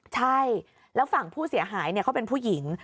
ใช่แล้วฝั่งผู้เสียหายเขาเป็นผู้หญิง